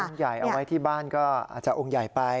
ใหญ่เอาไว้ที่บ้านก็อาจจะองค์ใหญ่ไป